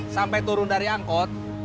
sampai turun dari angkot